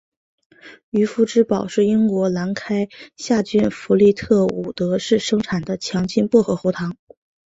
渔夫之宝是英国兰开夏郡弗利特伍德市生产的强劲薄荷喉糖。